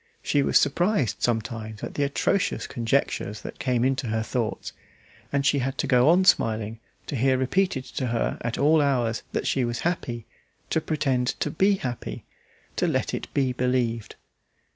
She was surprised sometimes at the atrocious conjectures that came into her thoughts, and she had to go on smiling, to hear repeated to her at all hours that she was happy, to pretend to be happy, to let it be believed.